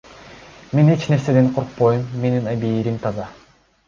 Мен эч нерседен коркпойм, менин абийирим таза.